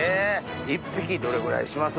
１匹どれぐらいします？